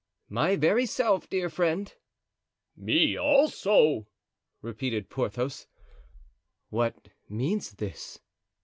"My very self, dear friend." "Me, also!" repeated Porthos. "What means this?"